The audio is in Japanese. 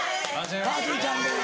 ぱーてぃーちゃんです。